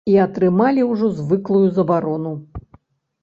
І атрымалі ўжо звыклую забарону.